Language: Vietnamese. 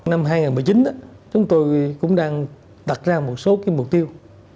năm hai nghìn một mươi chín chúng tôi cũng đang đặt ra một số mục tiêu